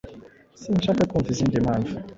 Sinshaka kumva izindi mpamvu.